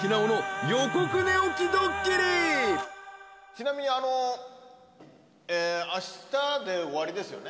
ちなみにあしたで終わりですよね？